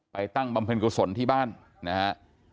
ตั้งบำเพ็ญกุศลที่บ้านนะฮะ